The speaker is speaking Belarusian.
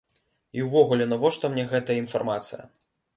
І ўвогуле, навошта мне гэтая інфармацыя?